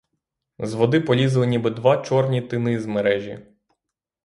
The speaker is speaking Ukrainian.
З води полізли ніби два чорні тини з мережі.